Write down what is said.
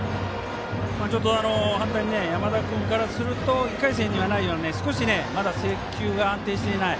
ちょっと反対に山田君からすると１回戦にはないような少し制球が安定していない。